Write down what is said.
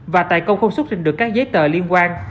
và tài công không xuất trình được các giấy tờ liên quan